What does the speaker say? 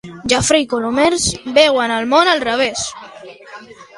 Jafre i Colomers veuen el món al revés.